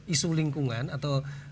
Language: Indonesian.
isu lingkungan atau